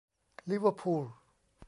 ลิเวอร์พูล